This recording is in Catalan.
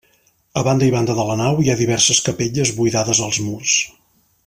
A banda i banda de la nau hi ha diverses capelles buidades als murs.